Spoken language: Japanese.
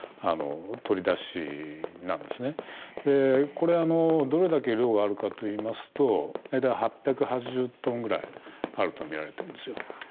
これ、どれだけ量があるかといいますと大体８８０トンぐらいあるとみられてるんですよ。